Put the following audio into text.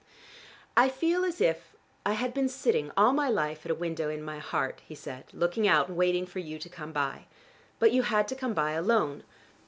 "I feel as if I had been sitting all my life at a window in my heart," he said, "looking out, and waiting for you to come by. But you had to come by alone.